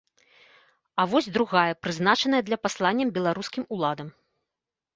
А вось другая прызначаная для пасланняў беларускім уладам.